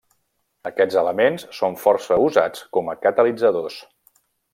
Aquests elements són força usats com a catalitzadors.